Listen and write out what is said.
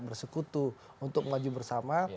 bersekutu untuk mengajukan bersama